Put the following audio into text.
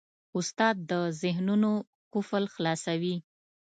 استاد د ذهنونو قفل خلاصوي.